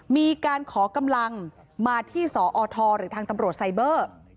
มีการขอกำลังมาที่สอทหรือทางตำรวจไซเบอร์